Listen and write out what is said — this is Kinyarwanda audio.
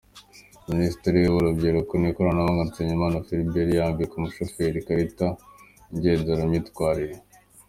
Minisitiri w’Urubyiruko n’Ikoranabuhanga, Nsengimana Philbert yambika umushoferi ikarita ngenzuramyitwarire.